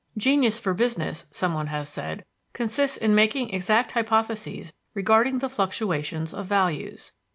"Genius for business," someone has said, "consists in making exact hypotheses regarding the fluctuations of values."